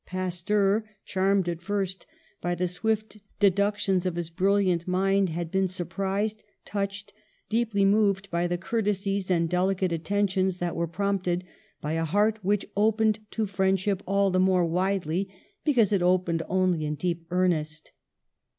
Pasteur, charmed at first by the swift 208 PASTEUR deductions of this brilliant mind, had been sur prised, touched, deeply moved by the courtesies and delicate attentions that were prompted by a heart which opened to friendship all the more widely because it opened only in deep earnest.